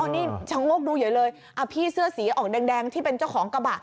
อ้อนี่จังหวะดูเยอะเลยพี่เสื้อสีออกแดงที่เป็นเจ้าของกระบะ